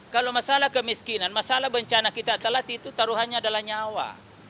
kalau masalah kemiskinan masalah bencana kita telat itu taruhannya adalah nyawa